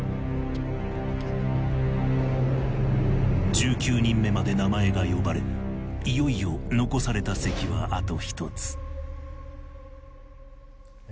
１９人目まで名前が呼ばれいよいよ残された席はあと１つ２０人目。